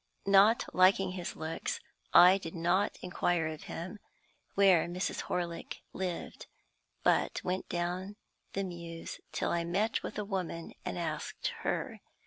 Not liking his looks, I did not inquire of him where Mrs. Horlick lived, but went down the Mews till I met with a woman, and asked her.